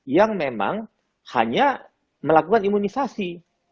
yang memang hanya melakukan imunisasi